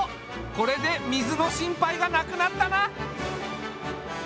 これで水の心配がなくなったな！